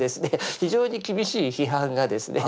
非常に厳しい批判がですね。